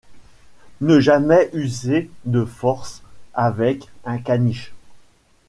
Ne jamais user de force avec un caniche.